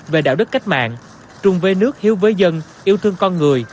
về đạo đức cách mạng trung với nước hiếu với dân yêu thương con người